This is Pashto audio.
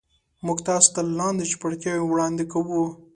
موږ تاسو ته لاندې چوپړتیاوې وړاندې کوو.